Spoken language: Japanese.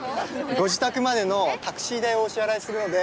ご自宅までのタクシー代をお支払いするので。